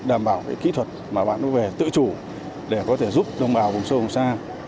đảm bảo kỹ thuật mà bạn có thể tự chủ để có thể giúp đông bào vùng sâu vùng xa